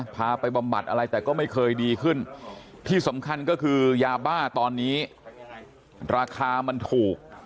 พาไปบำบัดอะไรแต่ก็ไม่เคยดีขึ้นที่สำคัญก็คือยาบ้าตอนนี้ราคามันถูก